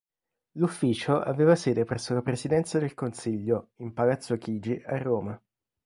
L'ufficio aveva sede presso la Presidenza del Consiglio, in Palazzo Chigi, a Roma.